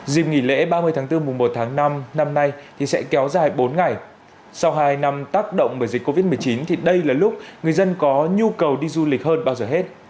dịp nghỉ lễ ba mươi tháng bốn mùa một tháng năm năm nay thì sẽ kéo dài bốn ngày sau hai năm tác động bởi dịch covid một mươi chín thì đây là lúc người dân có nhu cầu đi du lịch hơn bao giờ hết